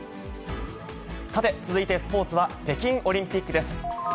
さて、続いてスポーツは北京オリンピックです。